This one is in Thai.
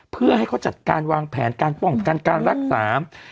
เพื่อให้เขาจัดการวางแผนการป้องกันการรักษา